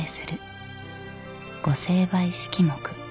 御成敗式目。